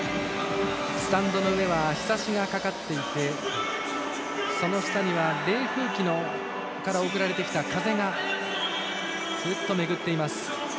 スタンドの上はひさしがかかっていてその下には涼風機から送られてきた風がめぐっています。